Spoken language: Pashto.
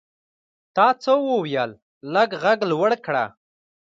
تا څه وویل ؟ لږ ږغ لوړ کړه !